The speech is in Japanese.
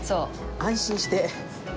安心して。